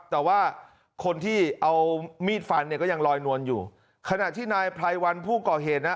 แต่ว่าคนที่เอามีดฟันเนี่ยก็ยังลอยนวลอยู่ขณะที่นายไพรวันผู้ก่อเหตุนะ